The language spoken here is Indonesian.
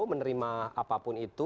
menerima apapun itu